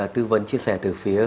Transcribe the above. tư vấn chia sẻ từ phía